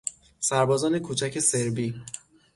سربازان کوچک سربی